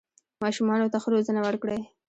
ماشومانو ته ښه روزنه ورکړئ